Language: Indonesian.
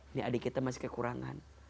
ini adik kita masih kekurangan